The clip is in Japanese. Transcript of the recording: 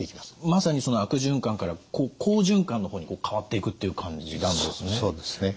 まさにその悪循環から好循環の方に変わっていくという感じなんですね。